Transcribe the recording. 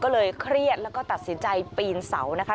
ก็เลยเครียดแล้วก็ตัดสินใจปีนเสานะคะ